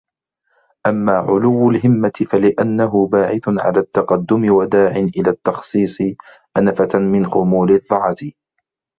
أَمَّا عُلُوُّ الْهِمَّةِ فَلِأَنَّهُ بَاعِثٌ عَلَى التَّقَدُّمِ وَدَاعٍ إلَى التَّخْصِيصِ أَنَفَةً مِنْ خُمُولِ الضَّعَةِ